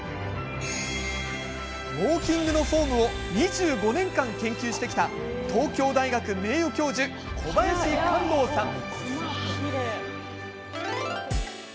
ウォーキングのフォームを２５年間研究してきた東京大学名誉教授小林寛道さん。